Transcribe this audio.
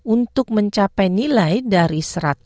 untuk mencapai nilai dari seratus